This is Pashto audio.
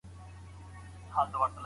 د محصلینو لیلیه په زوره نه تحمیلیږي.